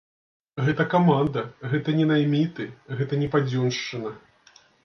Гэта каманда, гэта не найміты, гэта не падзёншчына.